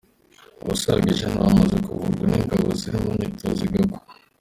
Abasaga ijana bamaze kuvurwa n’ingabo ziri mu myitozo i Gako